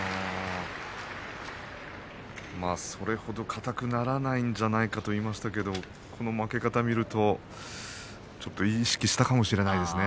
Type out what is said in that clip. それほど硬くならないんじゃないかと言いましたけどもこの負け方を見るとちょっと意識したかもしれないですね。